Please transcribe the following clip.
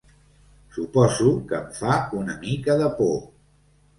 Suposo que em fa una mica de por.